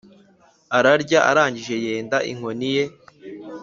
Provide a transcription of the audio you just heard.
ararya, arangije yenda inkoni ye,